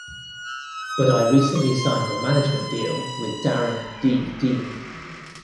But I recently signed a management deal with Darrin 'Dee' Dean.